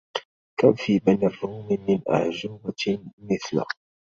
كم في بني الروم من أعجوبة مثل